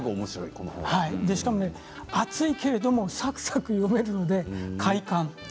しかも厚いけれどもさくさく読めるので快感。